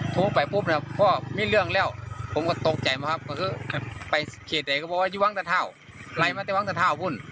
ไล่มาที่วังกระท่าวพุ่น